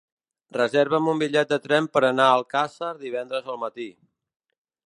Reserva'm un bitllet de tren per anar a Alcàsser divendres al matí.